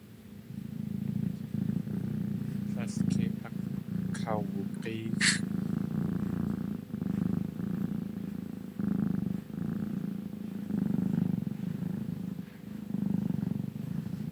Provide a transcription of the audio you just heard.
Tlél kei akawug̲éexʼ.